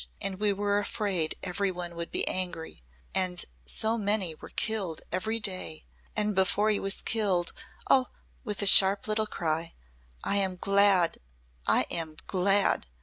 And we were afraid every one would be angry. And so many were killed every day and before he was killed Oh!" with a sharp little cry, "I am glad I am glad!